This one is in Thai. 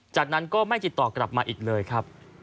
จากนั้นก็ไม่ติดต่อกลับมาอีกเลยครับ